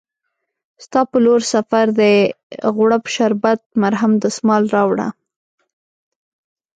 ستا په لورسفردي، غوړپ شربت، مرهم، دسمال راوړه